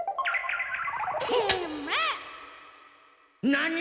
なに？